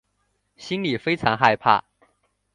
心里非常害怕